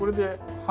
はい。